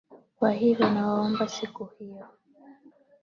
Kwa hivyo nawaomba siku hiyo.